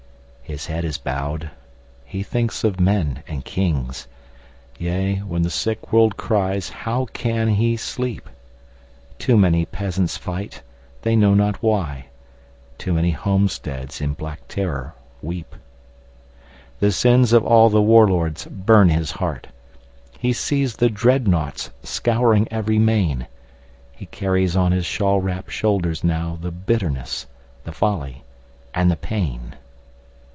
His head is bowed. He thinks of men and kings. Yea, when the sick world cries, how can he sleep? Too many peasants fight, they know not why; Too many homesteads in black terror weep. The sins of all the war lords burn his heart. He sees the dreadnaughts scouring every main. He carries on his shawl wrapped shoulders nowThe bitterness, the folly and the pain.